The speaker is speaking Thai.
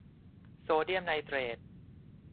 โซเดียมไนเตรท